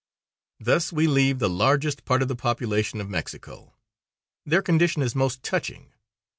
Thus we leave the largest part of the population of Mexico. Their condition is most touching.